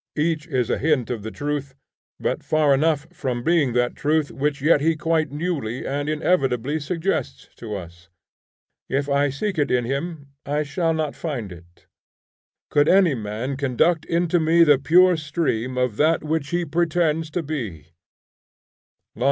Each is a hint of the truth, but far enough from being that truth which yet he quite newly and inevitably suggests to us. If I seek it in him I shall not find it. Could any man conduct into me the pure stream of that which he pretends to be!